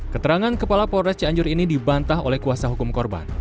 keterangan kepala polres cianjur ini dibantah oleh kuasa hukum korban